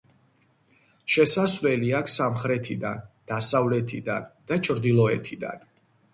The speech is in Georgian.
შესავლელი აქვს სამხრეთიდან, დასავლეთიდან და ჩრდილოეთიდან.